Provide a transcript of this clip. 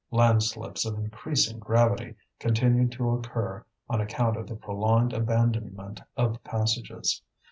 Landslips of increasing gravity continued to occur on account of the prolonged abandonment of the passages.